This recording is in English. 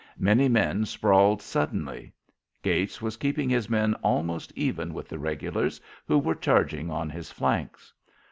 Many men sprawled suddenly. Gates was keeping his men almost even with the regulars, who were charging on his flanks.